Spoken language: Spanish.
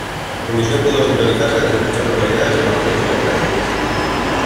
Sus emisión pudo sintonizarse desde muchas localidades de la provincia de Cáceres.